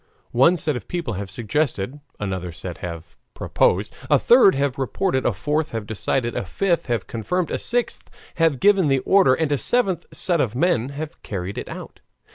One set of people have suggested, another set have proposed, a third have reported, a fourth have decided, a fifth have confirmed, a sixth have given the order, and a seventh set of men have carried it out.